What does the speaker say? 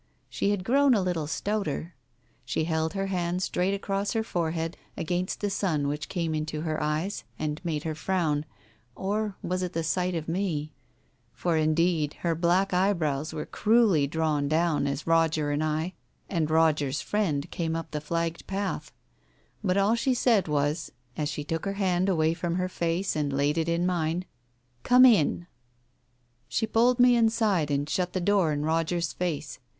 She had grown a little stouter. She held her hand straight across her forehead, against the sun which came into her eyes, and made her frown — or was it the sight of me ? For indeed, her black eye brows were cruelly drawn down as Roger and I and Roger's fjiend came up the flagged path. But all she said was, as she took her hand away from her face and laid it in mine — "Come in." She pulled me inside, and shut the door in Roger's face.